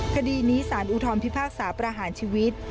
คดีนี้สารอุทธรพิพากษาประหารชีวิต